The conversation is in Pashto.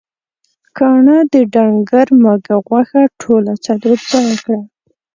کاڼهٔ د ډنګر مږهٔ غوښه ټوله څلور ځایه کړه.